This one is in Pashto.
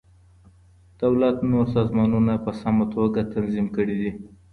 دولت نور سازمانونه په سمه توګه تنظیم کړي دي.